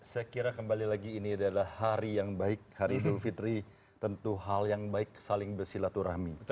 saya kira kembali lagi ini adalah hari yang baik hari idul fitri tentu hal yang baik saling bersilaturahmi